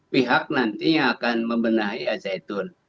pihak nantinya akan membenahi azzaitun